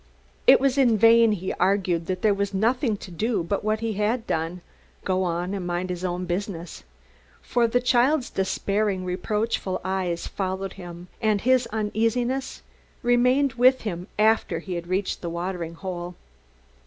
It was in vain he argued that there was nothing to do but what he had done go on and mind his own business for the child's despairing, reproachful eyes followed him and his uneasiness remained with him after he had reached the water hole.